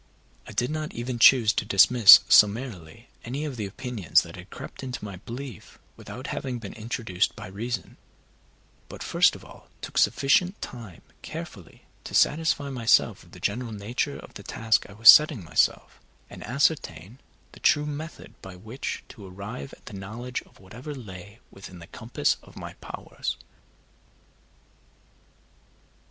I did not even choose to dismiss summarily any of the opinions that had crept into my belief without having been introduced by reason, but first of all took sufficient time carefully to satisfy myself of the general nature of the task I was setting myself, and ascertain the true method by which to arrive at the knowledge of whatever lay within the compass of my powers.